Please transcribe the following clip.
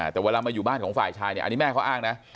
แต่เวลามาอยู่บ้านของฝ่ายชายเนี่ยอันนี้แม่เขาอ้างนะ